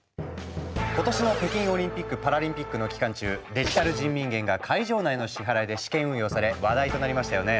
今年の北京オリンピック・パラリンピックの期間中「デジタル人民元」が会場内の支払いで試験運用され話題となりましたよね。